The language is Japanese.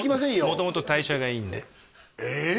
元々代謝がいいんでええっ！？